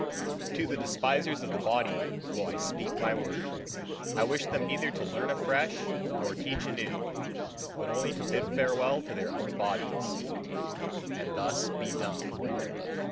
To the despisers of the body will I speak my word. I wish them neither to learn afresh, nor teach anew, but only to bid farewell to their own bodies, and thus be dumb.